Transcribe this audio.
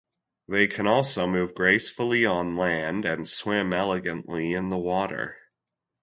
They can also move gracefully on land and swim elegantly in the water.